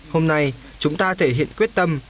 hôm nay chúng ta thể hiện quyết tâm